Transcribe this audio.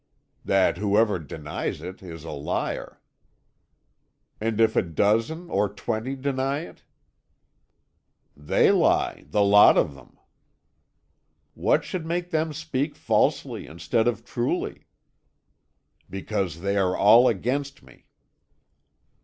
"That whoever denies it is a liar." "And if a dozen or twenty deny it?" "They lie, the lot of them." "What should make them speak falsely instead of truly?" "Because they are all against me."